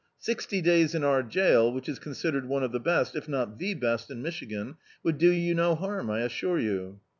Sixty days in our jail, which is considered one of the best, if not the best, in Michigan, would do you no harm, I assure you."